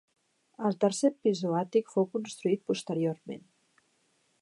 El tercer pis o àtic fou construït posteriorment.